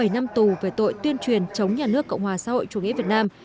bảy năm tù về tội tuyên truyền chống nhà nước cộng hòa xã hội chủ nghĩa việt nam